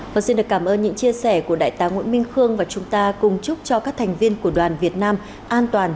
và xin được cảm ơn những chia sẻ của đại tá nguyễn minh khương và chúng ta cùng chúc cho các thành viên của đoàn việt nam an toàn